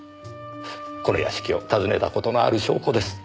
この屋敷を訪ねた事のある証拠です。